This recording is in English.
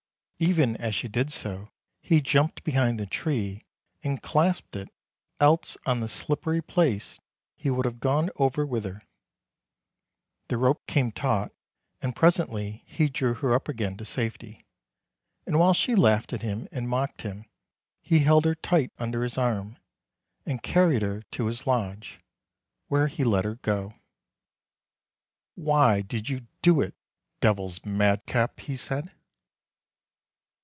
Even as she did so, he jumped behind the tree, and clasped it, else on the slippery place he would have gone over with her. The rope came taut, and presently he drew her up again to safety, and while she laughed at him and mocked him, he held her tight under his arm, and carried her to his lodge, where he let her go. " Why did you do it, devil's madcap? " he said.